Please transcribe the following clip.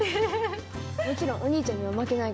もちろんお兄ちゃんには負けないから。